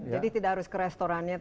jadi tidak harus ke restorannya